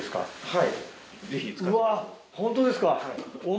はい。